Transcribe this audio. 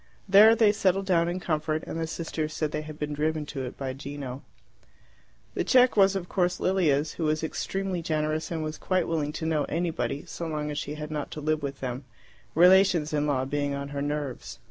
There they settled down in comfort, and the sisters said they had been driven to it by Gino. The cheque was, of course, Lilia's, who was extremely generous, and was quite willing to know anybody so long as she had not to live with them, relations in law being on her nerves.